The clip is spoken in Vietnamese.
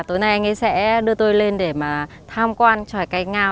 tối nay ấy sẽ đưa tôi lên để mà tham quan tròi canh ngao